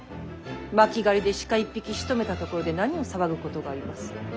巻狩りで鹿一匹しとめたところで何を騒ぐことがあります。